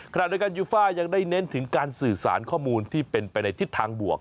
ขณะเดียวกันยูฟ่ายังได้เน้นถึงการสื่อสารข้อมูลที่เป็นไปในทิศทางบวก